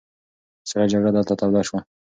سړه جګړه دلته توده شوه.